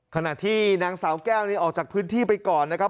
ขณะที่นางสาวแก้วนี่ออกจากพื้นที่ไปก่อนนะครับ